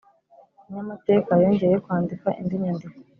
kinyamateka yongeye kwandika indi nyandiko